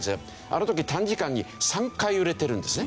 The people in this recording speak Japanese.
あの時短時間に３回揺れてるんですね。